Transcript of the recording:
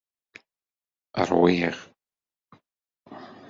Ṛwiɣ.